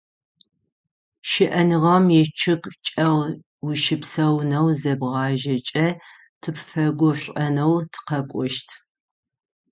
Щыӏэныгъэм ичъыг чӏэгъ ущыпсэунэу зебгъажьэкӏэ тыпфэгушӏонэу тыкъэкӏощт.